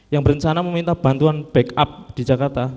yang berencana meminta bantuan backup di jakarta